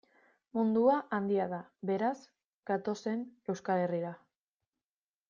Mundua handia da, beraz, gatozen Euskal Herrira.